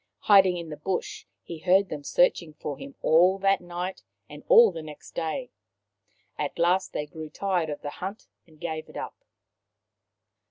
Hiding in the bush, he heard them searching for him all that night and all next day. At last they grew tired of the hunt and gave it up.